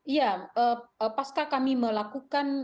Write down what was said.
iya pas kami melakukan